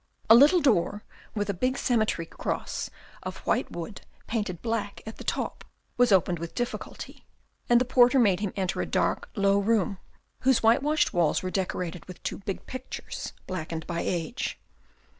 A little door with a big 176 THE RED AND THE BLACK cemetery cross of white wood painted black at the top was opened with difficulty, and the porter made him enter a dark low room, whose whitewashed walls were decorated with two big pictures blackened by age.